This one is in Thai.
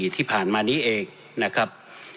ที่ผ่านมานี้เองนะครับ